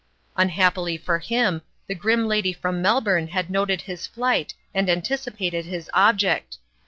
Unhappily for him, the grim lady from Mel bourne had noted his flight and anticipated its object.